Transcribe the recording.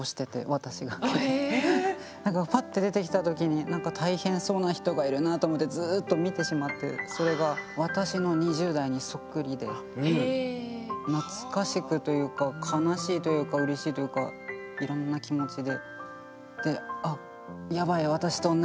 なんかパッて出てきた時に「大変そうな人がいるな」と思ってずっと見てしまってそれが懐かしくというか悲しいというかうれしいというかいろんな気持ちで。